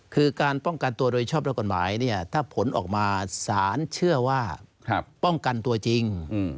คือการป้องกันตัวโดยชอบและกฎหมายเนี่ยถ้าผลออกมาสารเชื่อว่าป้องกันตัวจริง